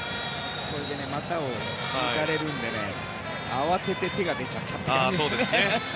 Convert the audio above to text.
こうやって股を抜かれるので慌てて手が出ちゃった感じですね。